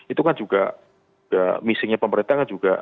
itu kan juga misinya pemerintah kan juga